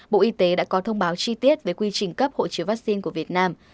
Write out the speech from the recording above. bộ y tế đã có thông báo chi tiết về quy trình cấp hộ chiếu vaccine của việt nam